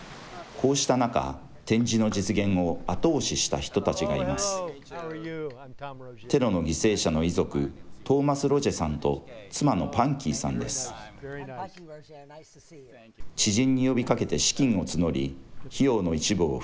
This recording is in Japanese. こうした中、展示の実現を後押しした人たちがいます。